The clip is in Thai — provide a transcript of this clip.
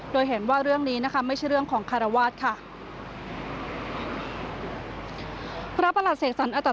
โดยเห็นว่าเรื่องนี้นะคะไม่ใช่เรื่องของคารวาสค่ะ